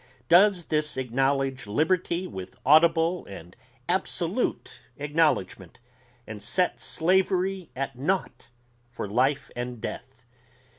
Does this acknowledge liberty with audible and absolute acknowledgment, and set slavery at nought for life and death?